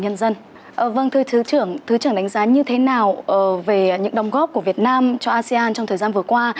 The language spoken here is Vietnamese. nhân dân thứ trưởng đánh giá như thế nào về những đồng góp của việt nam cho asean trong thời gian vừa qua